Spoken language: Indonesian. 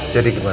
jadi kita akan